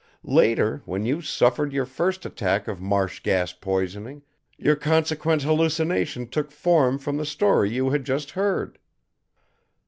Later, when you suffered your first attack of marsh gas poisoning, your consequent hallucination took form from the story you had just heard.